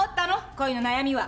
恋の悩みは。